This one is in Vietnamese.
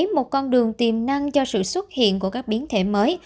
một con đường tiềm năng cho sự xuất hiện của các biến thể mới